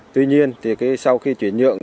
tuy nhiên thì sau khi chuyển nhượng